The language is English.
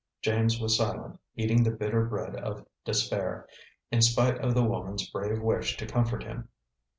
James was silent, eating the bitter bread of despair, in spite of the woman's brave wish to comfort him.